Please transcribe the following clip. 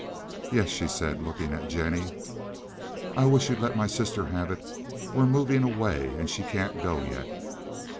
"Yes," she said, looking at Jennie. "I wish you'd let my sister have it. We're moving away, and she can't go yet."